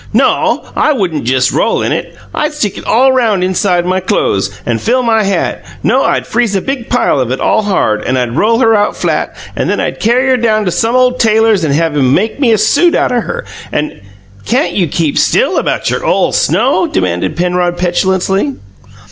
"No, I wouldn't just roll in it. I'd stick it all round inside my clo'es, and fill my hat. No, I'd freeze a big pile of it all hard, and I'd roll her out flat and then I'd carry her down to some ole tailor's and have him make me a SUIT out of her, and " "Can't you keep still about your ole snow?" demanded Penrod petulantly.